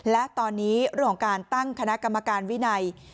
และตอนนี้เรื่องของการตั้งคณะกรรมการวินัย